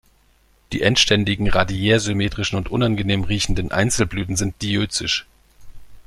Die endständigen, radiärsymmetrischen und unangenehm riechenden Einzelblüten sind diözisch.